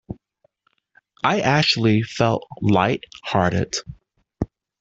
I actually felt light-hearted.